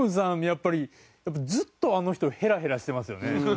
やっぱりずっとあの人ヘラヘラしてますよね。